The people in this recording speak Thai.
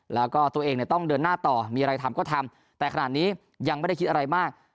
แล้วก็ตัวเองเนี่ยต้องเดินหน้าต่อมีอะไรทำก็ทำแต่ขนาดนี้ยังไม่ได้คิดอะไรมาก